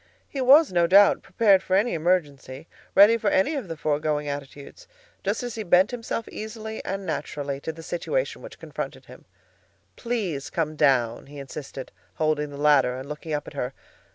He was no doubt prepared for any emergency, ready for any one of the foregoing attitudes, just as he bent himself easily and naturally to the situation which confronted him. "Please come down," he insisted, holding the ladder and looking up at her.